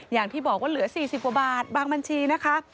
อย่างที่บอกว่าเหลือ๔๐กว่าบาทบางบัญชีนะคะ